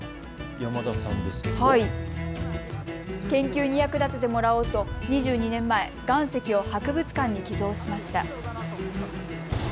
研究に役立ててもらおうと２２年前、岩石を博物館に寄贈しました。